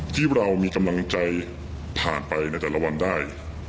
ที่เรามีกำลังใจผ่านไปในแต่ละวันได้